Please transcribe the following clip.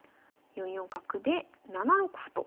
４四角で７六歩と。